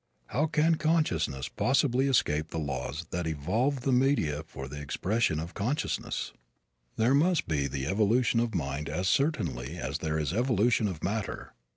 How can consciousness possibly escape the laws that evolve the media for the expression of consciousness? There must be the evolution of mind as certainly as there is evolution of matter.